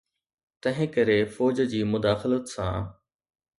تنهنڪري فوج جي مداخلت سان.